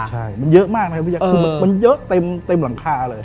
ใช่มันเยอะมากเลยมันเยอะเต็มลงคาเลย